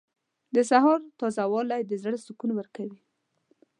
• د سهار تازه والی د زړه سکون ورکوي.